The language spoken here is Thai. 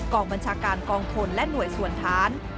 กองบัญชาการกองทุนและหน่วยส่วนฐาน